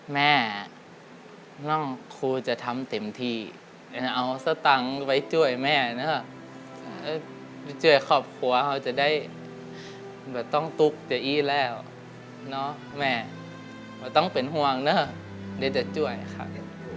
แม่น้องครูจะทำเต็มที่จะเอาสตังค์ไปช่วยแม่เนอะไปช่วยครอบครัวเขาจะได้แบบต้องตุ๊กจะอี้แล้วเนาะแม่เขาต้องเป็นห่วงเนอะเดี๋ยวจะช่วยครับ